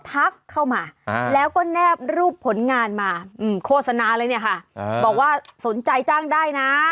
ทักเข้ามาแล้วก็แนบรูปผลงานมาโฆษณาเลยเนี่ยค่ะบอกว่าสนใจจ้างได้นะ